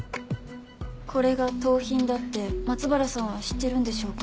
これが盗品だって松原さんは知ってるんでしょうか？